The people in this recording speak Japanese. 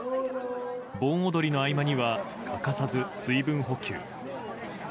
盆踊りの合間には欠かさず水分補給。